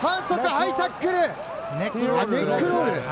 ハイタックル、ネックロール。